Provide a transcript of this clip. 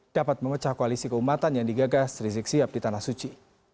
dapat memecah koalisi keumatan yang digagas rizik sihab di tanah suci